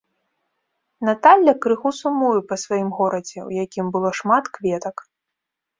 Наталля крыху сумуе па сваім горадзе, у якім было шмат кветак.